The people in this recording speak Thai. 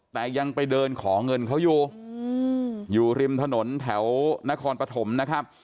แต่ยังไปเดินขอเงินเขาอยู่อยู่ริมถนนแถวนครปฐมนะครับ